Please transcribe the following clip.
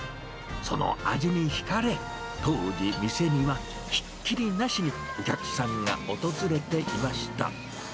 その味に引かれ、当時、店にはひっきりなしにお客さんが訪れていました。